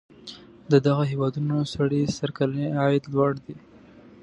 د دغو هیوادونو سړي سر کلنی عاید لوړ دی.